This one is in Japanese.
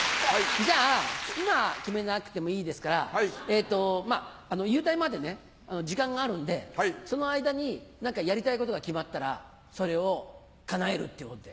じゃあ今決めなくてもいいですから勇退まで時間があるんでその間にやりたいことが決まったらそれをかなえるっていうことで。